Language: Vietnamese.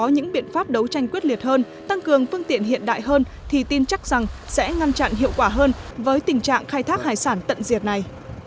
những biện pháp đấu tranh quyết liệt hơn tăng cường phương tiện hiện đại hơn thì tin chắc rằng sẽ ngăn chặn hiệu quả hơn với tình trạng khai thác hải sản tận diệt này